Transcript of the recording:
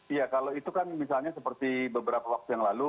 iya kalau itu kan misalnya seperti beberapa waktu yang lalu